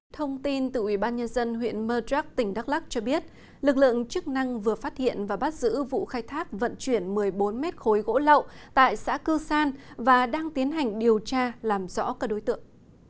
thông tin từ ủy ban nhân dân huyện madrak tỉnh đắk lắc cho biết lực lượng chức năng vừa phát hiện và bắt giữ vụ khai thác vận chuyển một mươi bốn m khối gỗ lậu tại xã cư san và đang tiến hành điều tra làm rõ các đối tượng